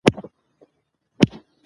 ملي اقتصاد په ملي پیسو وده کوي.